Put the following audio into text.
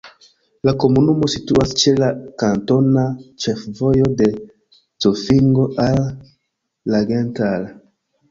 La komunumo situas ĉe la kantona ĉefvojo de Zofingo al Langenthal.